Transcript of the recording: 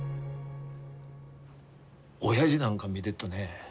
おやじなんか見でっとね